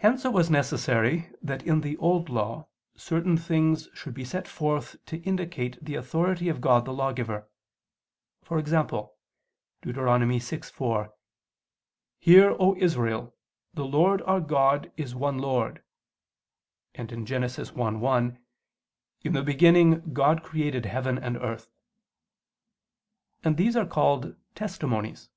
Hence it was necessary that in the Old Law certain things should be set forth to indicate the authority of God the lawgiver: e.g. Deut. 6:4: "Hear, O Israel, the Lord our God is one Lord"; and Gen. 1:1: "In the beginning God created heaven and earth": and these are called "testimonies."